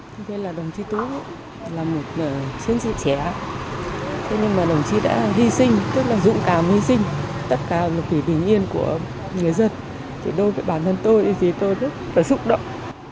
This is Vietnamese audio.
thế nên là đồng chí tú là một chiến sĩ trẻ thế nhưng mà đồng chí đã hy sinh tức là dũng cảm hy sinh tất cả một kỳ bình yên của người dân thì đối với bản thân tôi thì tôi rất là xúc động